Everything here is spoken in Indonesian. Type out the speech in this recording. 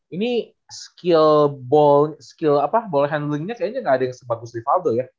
ini skill ball handlingnya kayaknya gak ada yang sebagus rivaldo ya